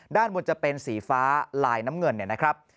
ด้านบนจะเป็นสีฟ้าลายน้ำเงินเนี่ยนะครับ